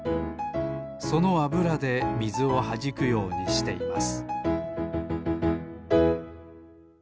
そのあぶらでみずをはじくようにしています